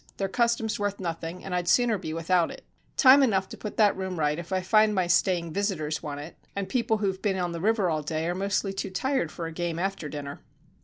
Their custom's worth nothing, and I'd sooner be without it. Time enough to put that room right if I find my staying visitors want it, and people who've been on the river all day are mostly too tired for a game after dinner."